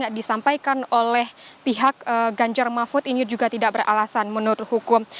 yang disampaikan oleh pihak ganjar mahfud ini juga tidak beralasan menurut hukum